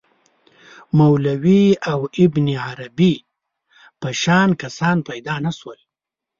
مولوی او ابن عربي په شان کسان پیدا نه شول.